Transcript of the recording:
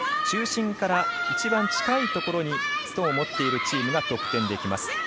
中心から一番近いところにストーンを持っているチームが得点できます。